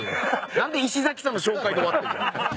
何で石崎さんの紹介で終わってんだ。